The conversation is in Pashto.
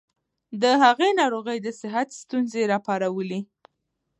د هغې ناروغي د صحت ستونزې راوپارولې.